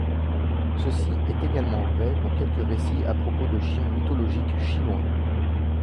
Ceci est également vrai pour quelques récits à propos de chiens mythologiques chinois.